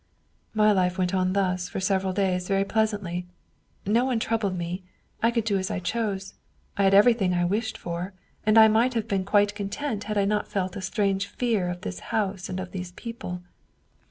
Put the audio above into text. My life went on thus for several days very pleasantly. No one troubled me, I could do as I chose, I had everything I wished for, and I might have been quite content had I not felt that strange fear of 104 WilMm Hauff this house and of these people.